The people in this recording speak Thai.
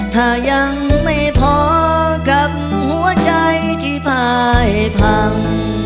ถ้ายังไม่พอกับหัวใจที่ตายพัง